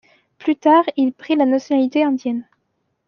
Plus tard il prit la nationalité indienne.